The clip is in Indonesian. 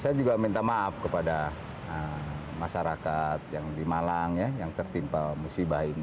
saya juga minta maaf kepada masyarakat yang di malang yang tertimpa musibah ini